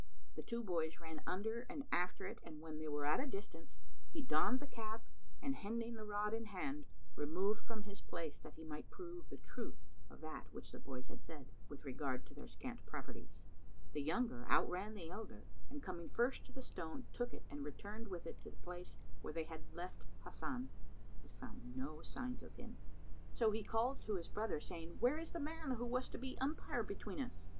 The two boys ran under and after it and when they were at a distance, he donned the cap and hending the rod in hand, removed from his place that he might prove the truth of that which the boys had said, with regard to their scant properties. The younger outran the elder and coming first to the stone, took it and returned with it to the place where they had left Hasan, but found no signs of him. So he called to his brother, saying, "Where is the man who was to be umpire between us?"